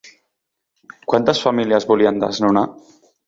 Quantes famílies volien desnonar?